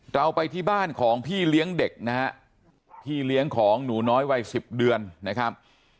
เราไปที่บ้านของพี่เลี้ยงเด็กนะฮะพี่เลี้ยงของหนูน้อยวัย๑๐เดือนนะครับ